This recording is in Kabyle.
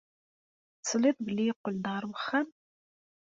Tesliḍ belli yeqqel-d ɣer wexxam?